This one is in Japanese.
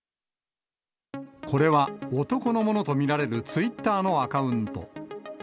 これは、男のものと見られるツイッターのアカウント。